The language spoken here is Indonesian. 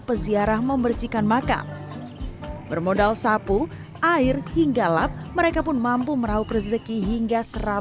peziarah membersihkan makam bermodal sapu air hingga lap mereka pun mampu merauh rezeki hingga